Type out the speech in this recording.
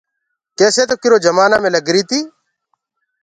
ڪيسي تو ڪِرو جمآنآ مين لَگريٚ تيٚ۔